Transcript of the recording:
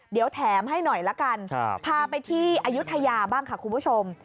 เดี๋ยวแถมให้หน่อยละกันพาไปที่อายุทยาบ้างค่ะคุณผู้ชม